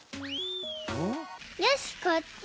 よしこっち！